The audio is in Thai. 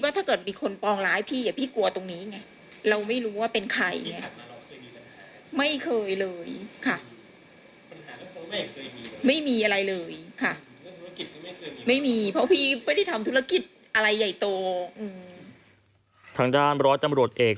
ค่ะไม่มีเพราะพี่ไม่ได้ทำธุรกิจอะไรใหญ่โตอืมทางด้านรอดจำรวจเอก